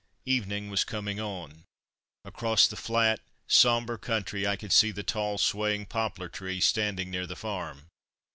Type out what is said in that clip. Evening was coming on. Across the flat, sombre country I could see the tall, swaying poplar trees standing near the farm.